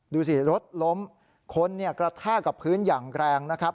ดูสิรถล้มคนกระแทกกับพื้นอย่างแรงนะครับ